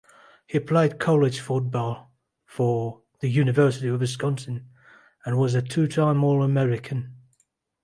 He played college football for the University of Wisconsin, and was a two-time All-American.